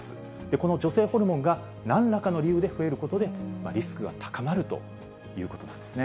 この女性ホルモンがなんらかの理由で増えることで、リスクが高まるということなんですね。